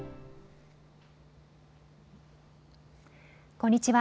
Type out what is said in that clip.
こんにちは。